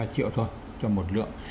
hai ba triệu thôi cho một lượng